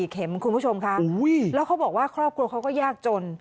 เข็มคุณผู้ชมค่ะแล้วเขาบอกว่าครอบครัวเขาก็ยากจน